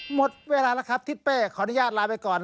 หมดเวลาแล้วครับทิศเป้ขออนุญาตลาไปก่อน